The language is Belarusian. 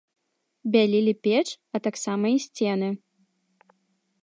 Бялілі печ, а таксама і сцены.